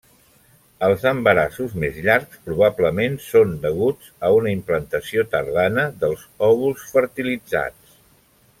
Els embarassos més llargs probablement són deguts a una implantació tardana dels òvuls fertilitzats.